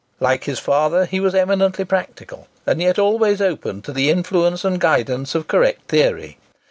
Like his father, he was eminently practical, and yet always open to the influence and guidance of correct theory.